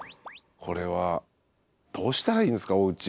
これはどうしたらいいんですかおうち。